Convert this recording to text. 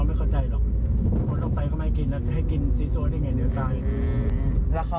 อันนี้เรื่องจริงนี้ไม่ใช่เรื่องเรื่องไม่ใช่เรื่องตลกนะ